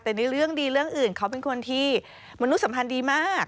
แต่ในเรื่องดีเรื่องอื่นเขาเป็นคนที่มนุษย์สัมพันธ์ดีมาก